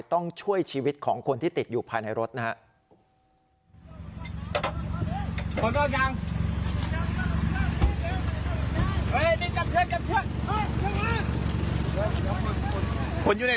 ต้องช่วยชีวิตของคนที่ติดอยู่ภายในรถนะครับ